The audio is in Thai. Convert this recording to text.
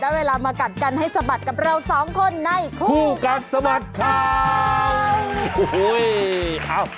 ได้เวลามากัดกันให้สะบัดกับเราสองคนในผู้กัดสะบัดค่ะโอ้โหเอ้า